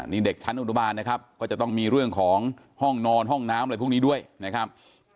นี่เด็กชั้นอนุบาลนะครับก็จะต้องมีเรื่องของห้องนอนห้องน้ำอะไรพวกนี้ด้วยนะครับ